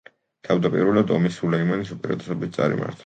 თავდაპირველად, ომი სულეიმანის უპირატესობით წარიმართა.